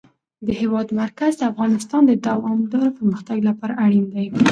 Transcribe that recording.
د هېواد مرکز د افغانستان د دوامداره پرمختګ لپاره اړین دي.